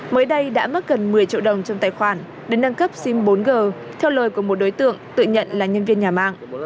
mới đây đã mất gần một mươi triệu đồng trong tài khoản để nâng cấp sim bốn g theo lời của một đối tượng tự nhận là nhân viên nhà mạng